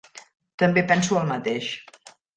També penso el mateix.